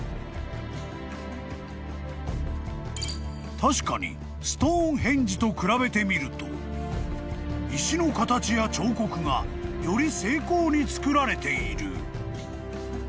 ［確かにストーンヘンジと比べてみると石の形や彫刻がより精巧につくられている］